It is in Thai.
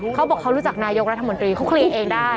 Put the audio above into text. เขาบอกเขารู้จักนายกรัฐมนตรีเขาเคลียร์เองได้